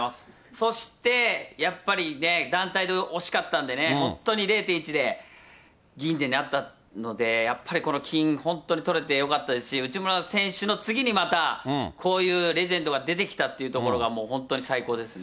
そして、やっぱり団体で惜しかったんでね、本当に０．１で銀であったので、やっぱり、この金、本当にとれてよかったですし、内村選手の次に、またこういうレジェンドが出てきたというところが、もう本当に最高ですね。